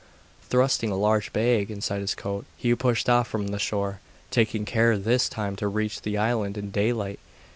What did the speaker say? Thrusting a large bag inside his coat, he pushed off from the shore, taking care this time to reach the island in daylight.